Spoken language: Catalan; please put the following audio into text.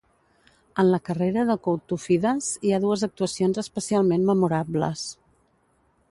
En la carrera de Koutoufides, hi ha dues actuacions especialment memorables.